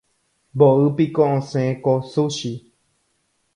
Mboýpiko osẽ ko sushi.